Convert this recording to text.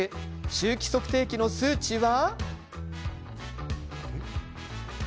臭気測定器の数値は。